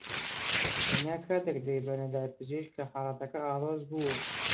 تەنیا کاتێک دەیبەنە لای پزیشک کە حاڵەتەکە ئاڵۆز بووە